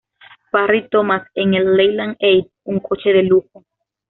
Parry-Thomas en el Leyland Eight, un coche de lujo.